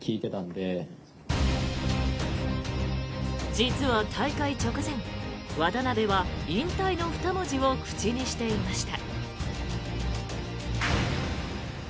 実は、大会直前渡邊は引退の２文字を口にしていました。